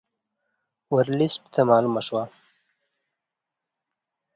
ورلسټ ته معلومه شوه.